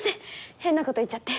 変なこと言っちゃって。